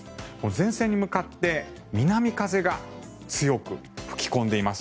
前線に向かって南風が強く吹き込んでいます。